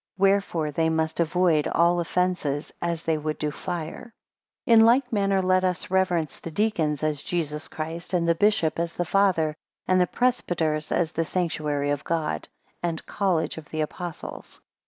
Wherefore they must avoid all offences, as they would do fire. 8 In like manner let us reverence the deacons as Jesus Christ; and the bishop as the Father; and the presbyters as the Sanctuary of God, and college of the Apostles.